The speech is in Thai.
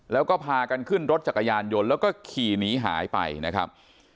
แล้วก็พากันขึ้นรถจักรยานยนต์แล้วก็ขี่หนีหายไปนะครับ